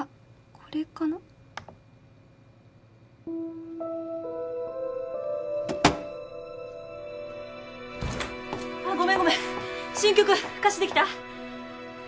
これかなあっごめんごめん新曲歌詞できた？